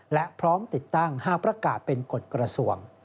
และพร้อมติดตั้งหากประกาศเป็นกฎกระทรวง